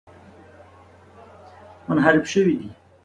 منحرف شوي دي.